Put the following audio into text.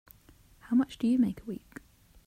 How much do you make a week?